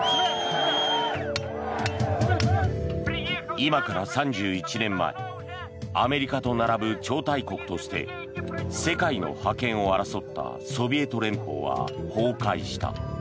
今から３１年前アメリカと並ぶ超大国として世界の覇権を争ったソビエト連邦は崩壊した。